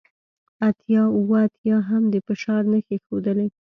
اتیا اوه اتیا هم د فشار نښې ښودلې